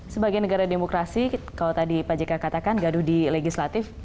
sebagai negara demokrasi kalau tadi pak jk katakan gaduh di legislatif